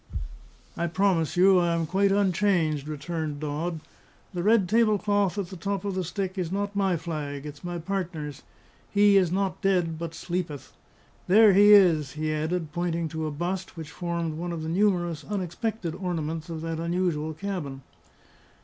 "I promise you, I am quite unchanged," returned Dodd. "The red tablecloth at the top of the stick is not my flag; it's my partner's. He is not dead, but sleepeth. There he is," he added, pointing to a bust which formed one of the numerous unexpected ornaments of that unusual cabin.